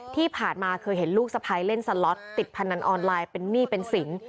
ที่ผ่านมาเคยเห็นลูกสะพ้ายเล่นสล็อตติดพนันออนไลน์เป็นหนี้เป็นสิน